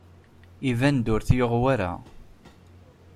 Iban-d ur t-yuɣ wara.